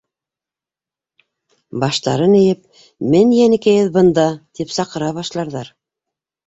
Баштарын эйеп: «Мен, йәнекәйебеҙ, бында», тип саҡыра башларҙар.